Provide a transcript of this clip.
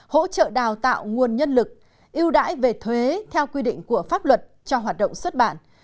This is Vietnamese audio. hỗ trợ đào tạo nguồn nhân lực ưu đãi về thuế theo quy định của pháp luật cho hoạt động xuất bản